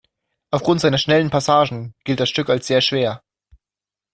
Aufgrund seiner schnellen Passagen gilt das Stück als sehr schwer.